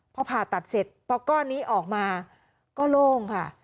พอผ่าตัดเสร็จพอก้อนนี้ออกมาก็โล่งค่ะ